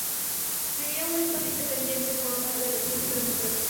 Sería un estado independiente en forma de república democrática.